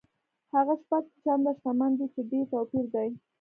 هغه شپږ چنده شتمن دی چې ډېر توپیر دی.